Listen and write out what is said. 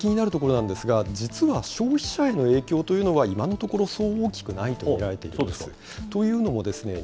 そこが気になるところなんですが、実は、消費者への影響というのは今のところ、そう大きくないと見られています。